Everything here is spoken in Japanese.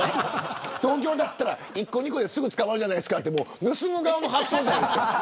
東京だったら１個２個ですぐ捕まるって盗む側の発想じゃないですか。